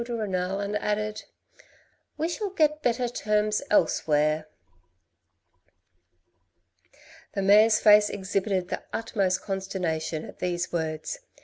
de Renal and added, " We shall get better terms elsewhere." 22 THE RED AND THE BLACK The Mayor's face exhibited the utmost consternation at these words.